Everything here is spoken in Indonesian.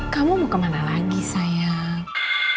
kamu mau kemana lagi sayang